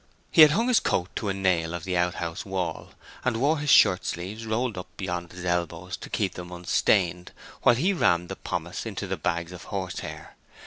He had hung his coat to a nail of the out house wall, and wore his shirt sleeves rolled up beyond his elbows, to keep them unstained while he rammed the pomace into the bags of horse hair.